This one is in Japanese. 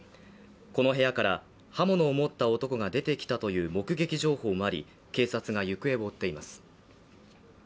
この部屋から刃物を持った男が出てきたという目撃情報もあり、警察が行方を追っています。